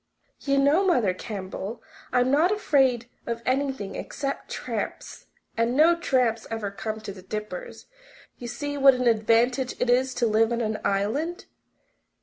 "You know, Mother Campbell, I'm not afraid of anything except tramps. And no tramps ever come to the Dippers. You see what an advantage it is to live on an island!